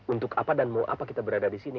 untuk apa dan mau apa kita berada di sini